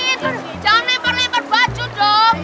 jangan ngempat ngempat baju dong